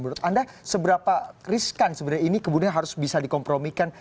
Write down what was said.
menurut anda seberapa riskan sebenarnya ini kemudian harus bisa dikompromikan